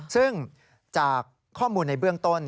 ซึ่งจากข้อมูลในเบื้องต้น